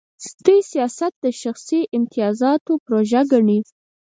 دوی سیاست د شخصي امتیازاتو پروژه ګڼي.